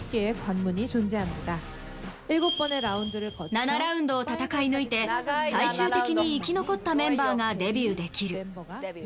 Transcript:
７ラウンドを戦い抜いて最終的に生き残ったメンバーがデビューできる。